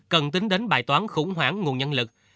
cần tính đến bài toán khủng hoảng nguồn nhân lực